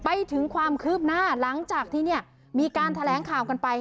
ไปถึงความคืบหน้าหลังจากที่เนี่ยมีการแถลงข่าวกันไป